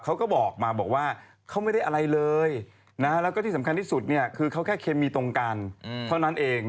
เขาก็บอกมาบอกว่าเขาไม่ได้อะไรเลยแล้วก็ที่สำคัญที่สุดคือเขาแค่เคมีตรงกันเท่านั้นเอง